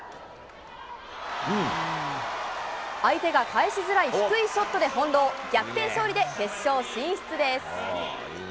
相手が返しづらい低いショットで翻弄、逆転勝利で決勝進出です。